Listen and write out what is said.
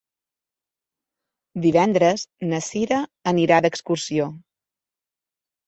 Divendres na Cira anirà d'excursió.